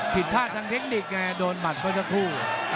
ผิดผ้าทางเทคนิคโดนหมัดก็จะทู่